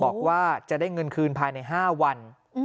บอกว่าจะได้เงินคืนภายใน๕วัน